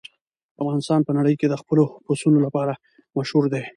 افغانستان په نړۍ کې د خپلو پسونو لپاره مشهور دی.